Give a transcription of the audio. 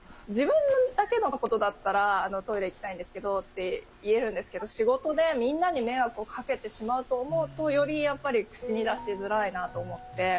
自分だけのことだったら「あのトイレ行きたいんですけど」って言えるんですけど仕事でみんなに迷惑をかけてしまうと思うとよりやっぱり口に出しづらいなと思って。